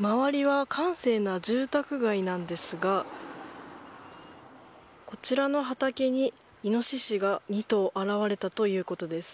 周りは閑静な住宅街なんですがこちらの畑にイノシシが２頭現れたということです。